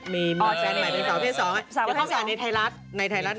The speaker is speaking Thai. มีแฟนใหม่เป็นสาวเพศ๒อะเขาก็อยากในไทรลัศน์